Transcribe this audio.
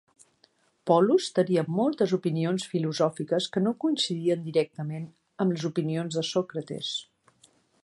Polus tenia moltes opinions filosòfiques que no coincidien directament amb les opinions de Sòcrates.